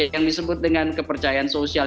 yang disebut dengan kepercayaan sosial